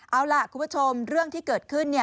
เอาล่ะคุณผู้ชมเรื่องที่เกิดขึ้น